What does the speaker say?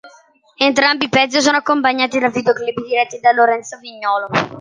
Entrambi i pezzi sono accompagnati da videoclip diretti da Lorenzo Vignolo.